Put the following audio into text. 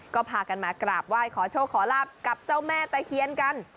ก็พากันมากราบไหว้ขอโชคขอลาบกับเจ้าแม่ตะเคียนกัน